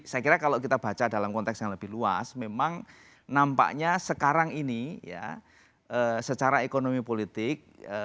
saya kira kalau kita baca dalam konteks yang lebih luas memang nampaknya sekarang ini ya secara ekonomi politik